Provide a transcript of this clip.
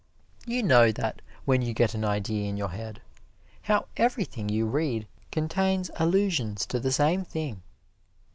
You know that, when you get an idea in your head, how everything you read contains allusions to the same thing.